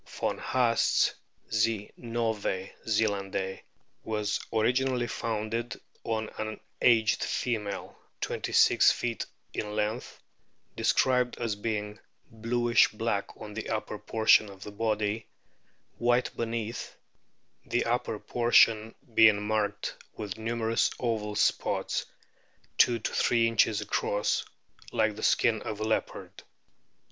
Von Haast's Z. novae zelandiae was originally founded on an " aged female ' twenty six feet in length, described as being "bluish black on the upper portion of the body, white beneath, the upper portion being marked with numerous oval spots, two to three inches across, like the skin of a leopard."